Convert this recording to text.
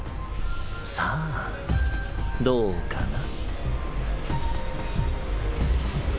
さあどうかな？